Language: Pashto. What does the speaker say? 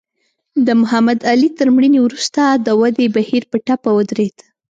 د محمد علي تر مړینې وروسته د ودې بهیر په ټپه ودرېد.